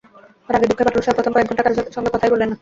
রাগে দুঃখে বাটুল শাহ প্রথম কয়েক ঘণ্টা কারও সঙ্গে কথাই বলল না।